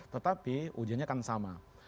tetapi ujiannya kan sama